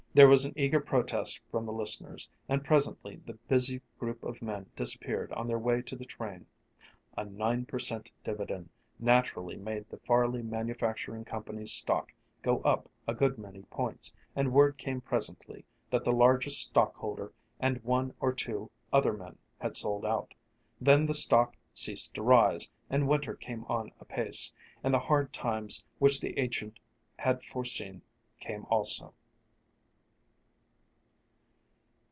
There was an eager protest from the listeners, and presently the busy group of men disappeared on their way to the train. A nine per cent. dividend naturally made the Farley Manufacturing Company's stock go up a good many points, and word came presently that the largest stockholder and one or two other men had sold out. Then the stock ceased to rise, and winter came on apace, and the hard times which the agent had foreseen came also.